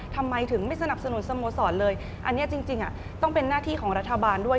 ทำไมถึงไม่สนับสนุนสโมสรเลยอันนี้จริงต้องเป็นหน้าที่ของรัฐบาลด้วย